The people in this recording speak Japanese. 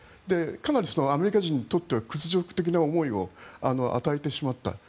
かなりアメリカ人にとっては屈辱的な思いを与えてしまった。